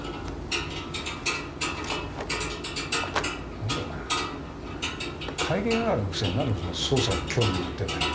何でお前会計係のくせに何でそんな捜査に興味を持ってんだよ。